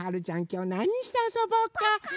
きょうなにしてあそぼうか？